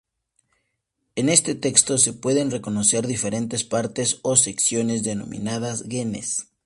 En ese texto se pueden reconocer diferentes partes o secciones, denominadas genes.